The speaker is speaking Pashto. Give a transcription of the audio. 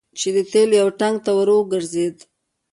چې د تیلو یو ټانګ ته ور وګرځید.